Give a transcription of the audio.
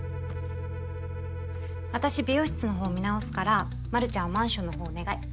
私美容室の方見直すから丸ちゃんはマンションの方お願い。